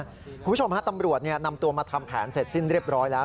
คุณผู้ชมฮะตำรวจนำตัวมาทำแผนเสร็จสิ้นเรียบร้อยแล้ว